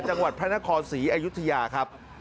จังหวัดพระนครศรีอยุธยาครับ